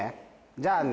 じゃあね。